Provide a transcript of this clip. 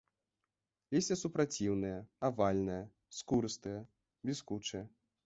Лісце супраціўнае, авальнае, скурыстае, бліскучае.